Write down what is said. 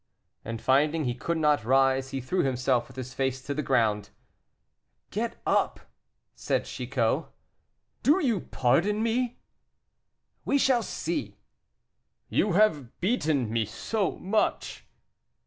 and finding he could not rise, he threw himself with his face to the ground. "Get up," said Chicot. "Do you pardon me?" "We shall see." "You have beaten me so much."